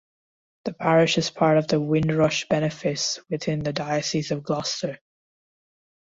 The parish is part of the Windrush benefice within the Diocese of Gloucester.